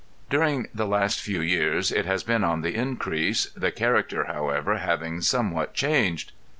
During the last few years it has been on the increase, the character however having somewhat changed.